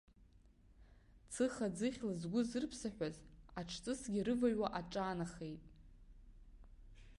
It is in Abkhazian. Цыха-ӡыхьла згәы зырԥсаҳәаз аҽҵысгьы рываҩуа аҿаанахеит.